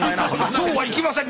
「そうはいきません。